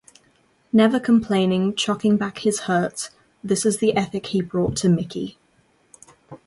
Never complaining, chocking back his hurts... this is the ethic he brought to Mickey.